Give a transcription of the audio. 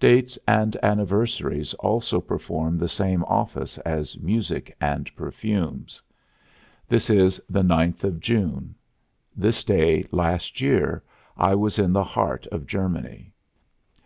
Dates and anniversaries also perform the same office as music and perfumes. This is the ninth of June. This day, last year, I was in the heart of Germany.